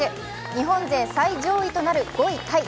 日本勢最上位となる５位タイ。